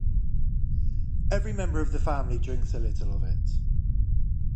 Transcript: Every member of the family drinks a little of it.